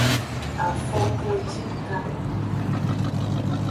Afokonjika.